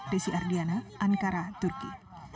desi ardiana ankara turki